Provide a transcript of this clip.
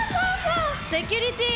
セキュリティー！